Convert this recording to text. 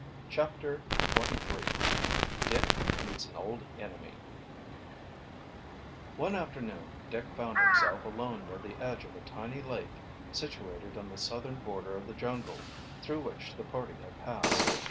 CHAPTER XXIII DICK MEETS AN OLD ENEMY One afternoon Dick found himself alone near the edge of a tiny lake situated on the southern border of the jungle through which the party had passed.